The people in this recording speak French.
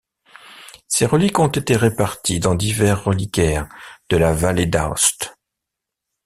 Ses reliques ont été réparties dans divers reliquaires de la Vallée d’Aoste.